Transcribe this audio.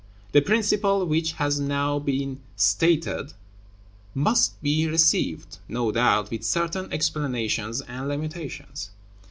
The principle which has now been stated must be received, no doubt, with certain explanations and limitations.